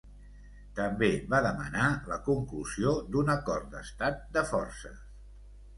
També va demanar la conclusió d'un Acord d'Estat de Forces.